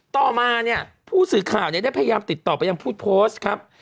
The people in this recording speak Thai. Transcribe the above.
ต่อมาเนี่ยผู้สื่อข่าวเนี่ยได้พยายามติดต่อไปยังผู้โพสต์ครับ